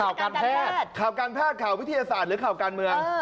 ข่าวการแพทย์ข่าวการแพทย์ข่าววิทยาศาสตร์หรือข่าวการเมือง